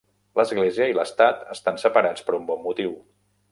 L'església i l'estat estan separats per un bon motiu.